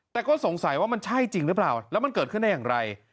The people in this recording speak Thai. แต่ก็สงสัยว่ามันใช่จริงหรือเปล่าแล้วมันเกิดขึ้นได้อย่างไร